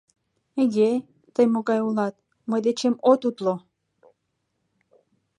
Эге, тый могай улат, мый дечем от утло!